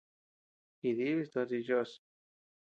Jidibis toci choʼos.